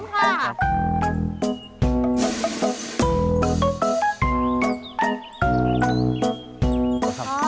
ขอบคุณค่ะ